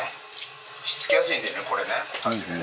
ひっつきやすいんでね、これね。